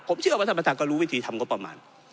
ผมเชื่อว่าท่านประธานก็รู้วิธีทำงบประมาณ